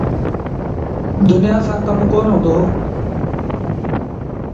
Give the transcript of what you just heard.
دنيآ سآݩ ڪم ڪونا هُݩدو۔